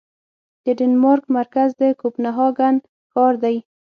د ډنمارک مرکز د کوپنهاګن ښار دی